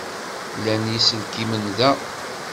Llan yiselkimen da.